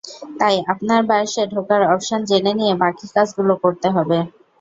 তাই আপনার বায়োসে ঢোকার অপশন জেনে নিয়ে বাকি কাজগুলো করতে হবে।